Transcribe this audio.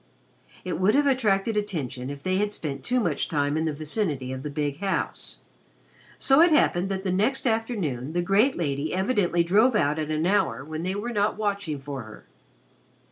It would have attracted attention if they had spent too much time in the vicinity of the big house. So it happened that the next afternoon the great lady evidently drove out at an hour when they were not watching for her.